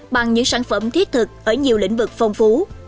bằng những sản phẩm thiết thực ở nhiều lĩnh vực phong phú